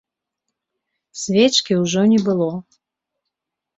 Свечкі ўжо не было.